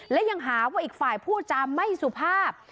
และยังหาว่าอีกฝ่ายพูดจาไม่สุภาพ